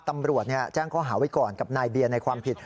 ตำรวจแจ้งข้อหาไว้ก่อนกับนายเบียร์ในความผิด